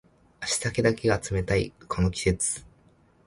足先だけが冷たいこの季節